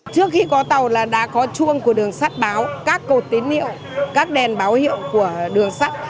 trước khi có tàu là đã có chuông của đường sát báo các cầu tín hiệu các đèn báo hiệu của đường sát